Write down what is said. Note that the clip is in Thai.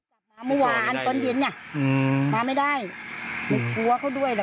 ก็เลยยิงสวนไปแล้วถูกเจ้าหน้าที่เสียชีวิต